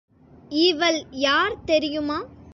இவள் யார் தெரியுமா?